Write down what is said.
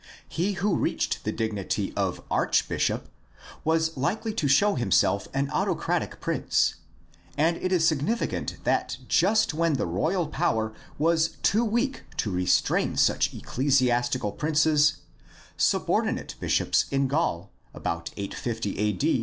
He who reached the dignity of archbishop was likely to show himself an auto cratic prince, and it is significant that just when the royal power was too weak to restrain such ecclesiastical princes subordinate bishops in Gaul, about 850 a.